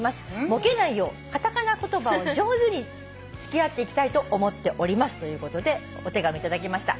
ぼけないようカタカナ言葉を上手に付き合っていきたいと思っております」ということでお手紙頂きました。